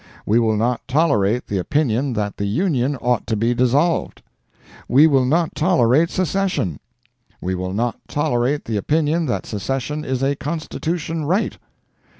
We will not tolerate the opinion that the Union ought to be dissolved. We will not tolerate secession. We will not tolerate the opinion that secession is a constitution right.